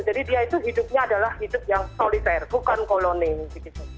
jadi dia itu hidupnya adalah hidup yang politer bukan kolonel